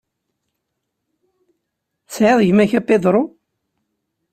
Tesɛiḍ gma-k a Pedro?